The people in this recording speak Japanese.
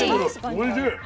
おいしい。